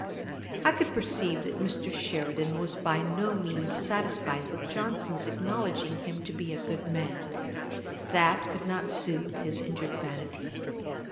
I could perceive that Mr. Sheridan was by no means satisfied with Johnson's acknowledging him to be a good man. That could not sooth his injured vanity.